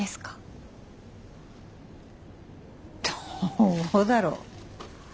どうだろう？